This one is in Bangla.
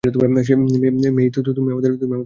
মেই, তুমি আমাদের ছেড়ে গিয়েছ।